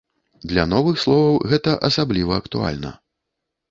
Для новых словаў гэта асабліва актуальна.